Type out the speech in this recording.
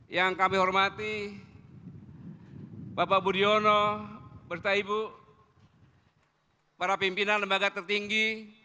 yang kami hormati bapak budiono beserta ibu para pimpinan lembaga tertinggi